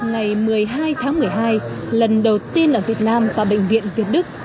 ngày một mươi hai tháng một mươi hai lần đầu tiên ở việt nam và bệnh viện việt đức